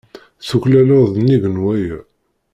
Tuklaleḍ nnig n waya.